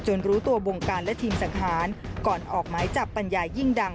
รู้ตัววงการและทีมสังหารก่อนออกหมายจับปัญญายิ่งดัง